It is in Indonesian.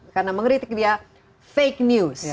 karena mengeritik dia fake news